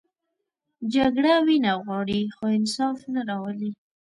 جګړه وینه غواړي، خو انصاف نه راولي